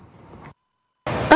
phương án khác